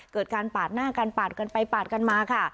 เกิดการปาดหน้ากันปาดกันไปปาดกันมาค่ะ